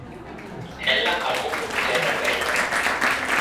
Ella ha buca bugen arveglia.